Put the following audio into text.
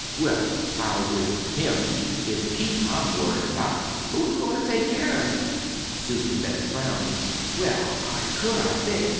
"Humph! Well, I'll risk HIM. It's Keith I'm worry in' about. Who is going to take care of him?" Susan Betts frowned. "Well, I could, I think.